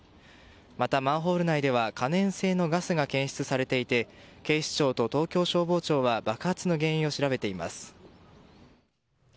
また、マンホール内では可燃性のガスが検出されていて警視庁と東京消防庁は爆発の原因を調べています。